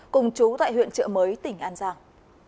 cùng chú tại huyện trợ mới tỉnh an giang